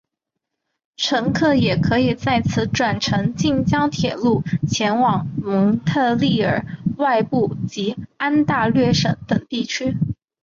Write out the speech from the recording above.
乘客也可以在此转乘近郊铁路前往蒙特利尔外部及安大略省等地区。